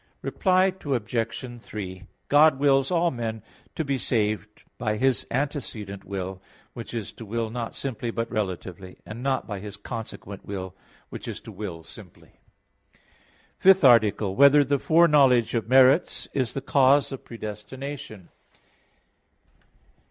Reply Obj. 3: God wills all men to be saved by His antecedent will, which is to will not simply but relatively; and not by His consequent will, which is to will simply. _______________________ FIFTH ARTICLE [I, Q. 23, Art. 5] Whether the Foreknowledge of Merits Is the Cause of Predestination?